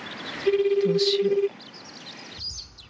どうしよう。